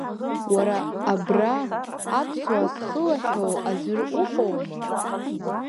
Уара абра аԥсуа зхылаҳәоу аӡәыр уҟоума?